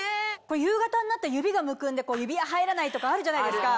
夕方になって指がむくんで指輪入らないとかあるじゃないですか。